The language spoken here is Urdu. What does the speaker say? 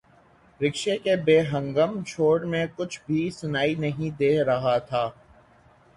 رکشے کے بے ہنگم شور میں کچھ بھی سنائی نہیں دے رہا تھا۔